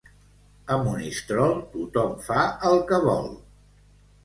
A Monistrol tothom fa el que vol.